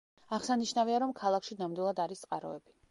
აღსანიშნავია, რომ ქალაქში ნამდვილად არის წყაროები.